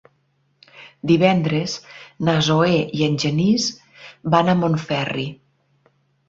Divendres na Zoè i en Genís van a Montferri.